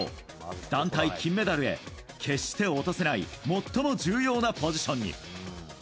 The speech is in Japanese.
団体金メダルへ決して落とせない最も重要なポジションに。